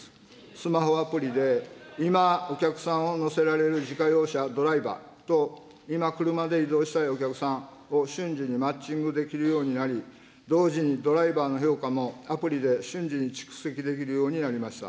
スマホアプリで今、お客さんを乗せられる自家用車ドライバーと、今車で移動したいお客さんを瞬時にマッチングできるようになり、同時にドライバーの評価もアプリで瞬時に蓄積できるようになりました。